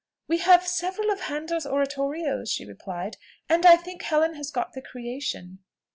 "We have several of Handel's oratorios," she replied; "and I think Helen has got the 'Creation.'"